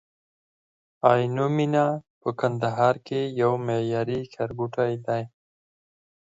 عینومېنه په کندهار کي یو معیاري ښارګوټی دی